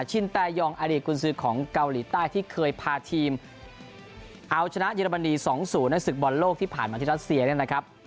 ชินแตยองอดีตกุญสือของเกาหลีใต้ที่เคยพาทีมเอาชนะเยอรมนี๒๐ในศึกบอลโลกที่ผ่านมาที่รัสเซียเนี่ยนะครับ